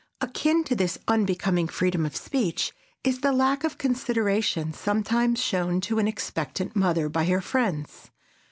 Akin to this unbecoming freedom of speech is the lack of consideration sometimes shown to an expectant mother by her friends.